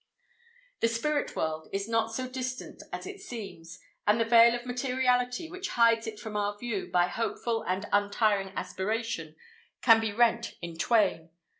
The Spirit World is not so distant as it seems, and the veil of Materiality which hides it from our view, by hopeful and untiring aspiration can be rent in twain.